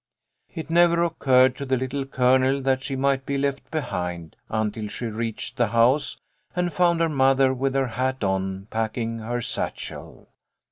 It never occurred to the Little Colonel that she might be left behind, until she reached the house and found her mother with her hat on, packing her satchel.